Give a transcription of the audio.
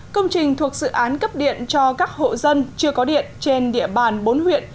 công trình thuộc dự án cấp điện cho các hộ dân chưa có điện trên địa bàn bốn huyện